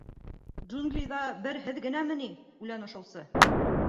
— Джунглиҙа бер һеҙ генәме ни үлән ашаусы?